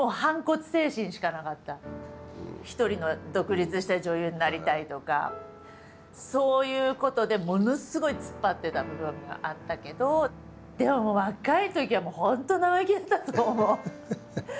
一人の独立した女優になりたいとかそういうことでものすごい突っ張ってた部分があったけどでも若いときはもう本当生意気だったと思う。